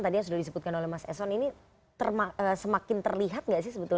tadi yang sudah disebutkan oleh mas eson ini semakin terlihat nggak sih sebetulnya